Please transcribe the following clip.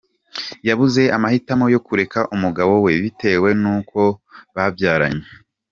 Yabuze amahitamo yo kureka umugabo we bitewe n’uko babyaranye.